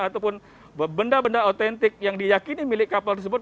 ataupun benda benda autentik yang diyakini milik kapal tersebut